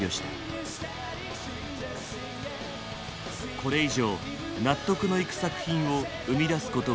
これ以上納得のいく作品を生み出すことはできない。